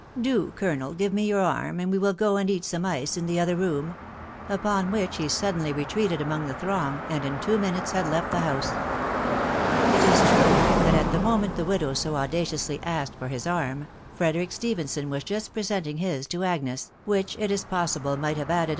" Do, Colonel, give me your arm, and we will go and eat some ice in the other room ;" upon which he suddenly retreated among the throng, and in two minutes had left the house. It is true, that at the moment the widow so auda ciously asked for his arm, Frederick Stephenson was just pre sen ting his to Agnes, which it is pom\ft& \x£\^& Vv^ *&&& a 4 24fr tHS WIDOW BJJtfrABY.